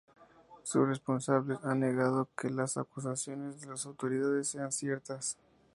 Sus responsables han negado que las acusaciones de las autoridades sean ciertas.